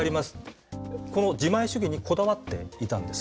この自前主義にこだわっていたんです。